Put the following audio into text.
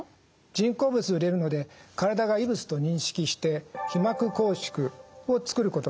人工物を入れるので体が異物と認識して被膜拘縮を作ることがあります。